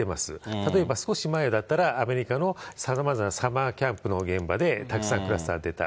例えば、少し前だったらアメリカのサマーキャンプの現場でたくさんクラスターが出た。